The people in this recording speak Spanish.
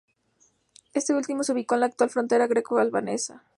Este último se ubicó en la actual frontera greco-albanesa.